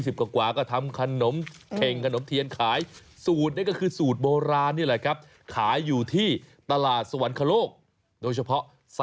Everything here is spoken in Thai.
บอกเลยนะครับว่า